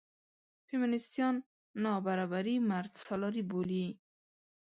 فیمینېستان نابرابري مردسالاري بولي.